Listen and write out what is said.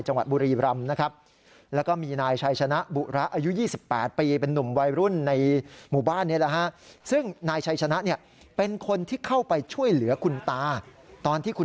จังหวัดบุรีรำนะครับ